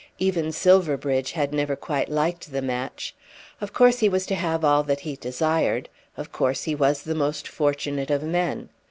Even Silverbridge had never quite liked the match. Of course he was to have all that he desired. Of course he was the most fortunate of men.